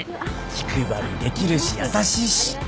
気配りできるし優しいし。